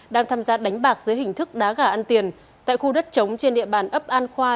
đang tham gia đánh bạc dưới hình thức đá gà ăn tiền tại khu đất trống trên địa bàn ấp an khoa